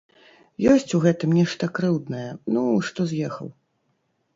Ёсць у гэтым нешта крыўднае, ну, што з'ехаў.